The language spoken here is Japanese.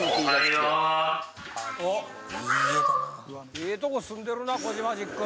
・ええとこ住んでるなコジマジック！